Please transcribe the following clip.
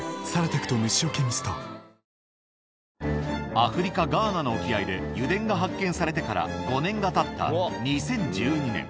アフリカ・ガーナの沖合で油田が発見されてから５年がたった２０１２年。